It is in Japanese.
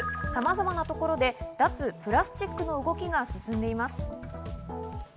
さまざまなところで脱プラスチックの動きが続いています。